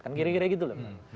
kan kira kira gitu loh